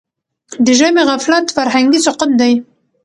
د ژبي غفلت فرهنګي سقوط دی.